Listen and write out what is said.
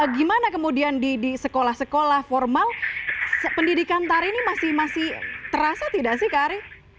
gimana kemudian di sekolah sekolah formal pendidikan tari ini masih terasa tidak sih kak ari